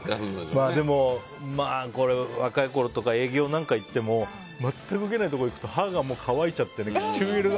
でも、若いころとか営業とか行っても全くウケないところ行くと歯が乾いちゃったり唇が。